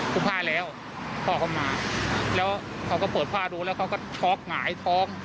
พ่อเขามาแล้วเขาก็เปิดผ้าดูแล้วก็ช้อกไหงายท้อง